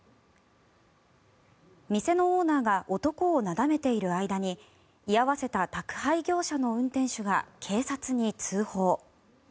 店のオーナーが男をなだめている間に居合わせた宅配業者の運転手が警察に通報。